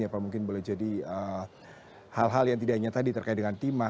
apa mungkin boleh jadi hal hal yang tidak hanya tadi terkait dengan timah